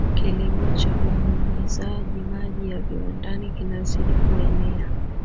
Kilimo cha unyunyizaji maji ya viwandani kinazidi kuenea